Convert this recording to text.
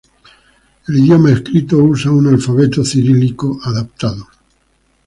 El idioma escrito usa un alfabeto cirílico adaptado.